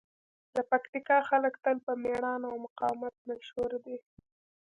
د پکتیکا خلک تل په مېړانې او مقاومت مشهور دي.